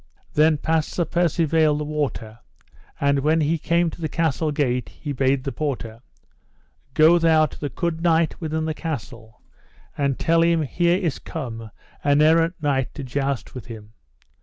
Then passed Sir Percivale the water, and when he came to the castle gate he bade the porter: Go thou to the good knight within the castle, and tell him here is come an errant knight to joust with him.